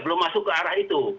belum masuk ke arah itu